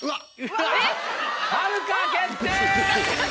うわ！